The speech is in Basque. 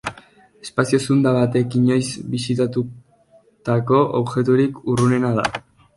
Espazio zunda batek inoiz bisitatutako objekturik urrunena da.